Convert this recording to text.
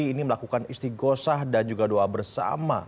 ini melakukan istiqosah dan juga doa bersama